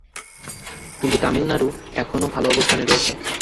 কিন্তু তামিলনাড়ু এখনও ভালো অবস্থানে রয়েছে।